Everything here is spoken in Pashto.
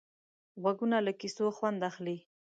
غوږونه له کیسو خوند اخلي